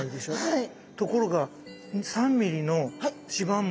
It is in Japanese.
はい。